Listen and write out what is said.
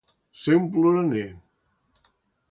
Ser un ploraner.